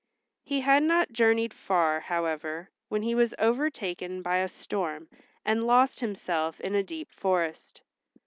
He had not journeyed far, however, when he was overtaken by a storm and lost himself in a deep forest.